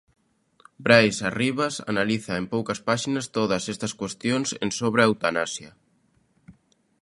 Brais Arribas analiza, en poucas páxinas, todas estas cuestións en Sobre a eutanasia.